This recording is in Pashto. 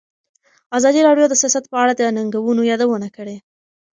ازادي راډیو د سیاست په اړه د ننګونو یادونه کړې.